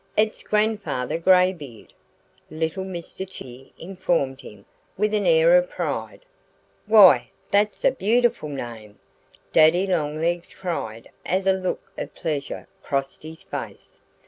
"It's 'Grandfather Graybeard'!" little Mr. Chippy informed him with an air of pride. "Why, that's a beautiful name!" Daddy Longlegs cried, as a look of pleasure crossed his face.